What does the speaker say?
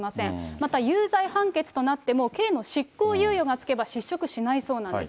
また有罪判決となっても、刑の執行猶予が付けば失職しないそうなんです。